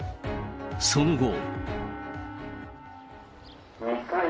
その後。